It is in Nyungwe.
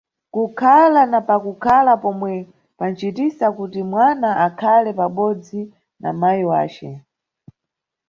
Kukhala na pakukhala pomwe panʼcitisa kuti mwana akhale pabodzi na mayi wace.